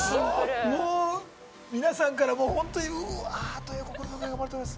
もう皆さんからも本当に「うわー」という心の声が漏れております